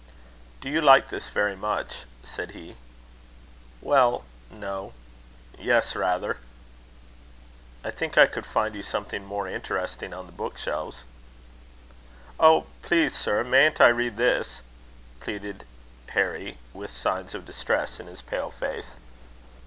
"Do you like this very much?" said he. "Well no. Yes, rather." "I think I could find you something more interesting in the book shelves." "Oh! please, sir, mayn't I read this?" pleaded Harry, with signs of distress in his pale face.